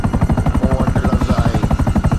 مون وٽ لفظ آهي